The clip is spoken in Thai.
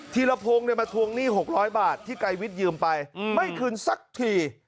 ธีรพงศ์มาทวงหนี้๖๐๐บาทที่ไกรวิทยืมไปไม่คืนสักที